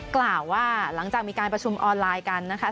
กล่าวว่าหลังจากมีการประชุมออนไลน์กันนะคะ